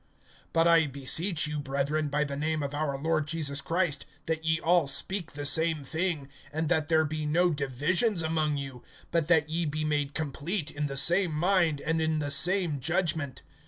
(10)But I beseech you, brethren, by the name of our Lord Jesus Christ, that ye all speak the same thing, and that there be no divisions among you; but that ye be made complete in the same mind, and in the same judgment.